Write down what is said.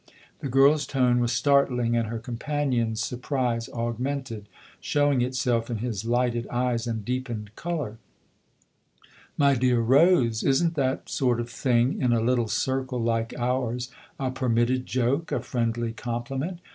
The girl's tone was startling, and her companion's surprise augmented, showing itself in his lighted eyes and deepened colour. " My dear Rose, isn't THE OTHER HOUSE 81 that sort of thing, in a little circle like ours, a permitted joke a friendly compliment